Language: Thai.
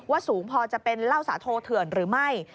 สูงพอจะเป็นเหล้าสาโทเถื่อนหรือไม่